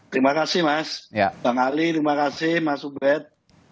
terima kasih mas bang ali terima kasih mas ubed